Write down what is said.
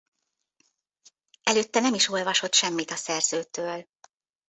Előtte nem is olvasott semmit a szerzőtől.